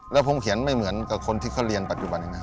แล้วผมเขียนไม่เหมือนกับคนที่เขาเรียนปัจจุบันอย่างนั้น